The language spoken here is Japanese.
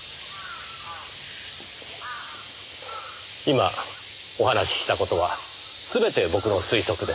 今お話しした事はすべて僕の推測です。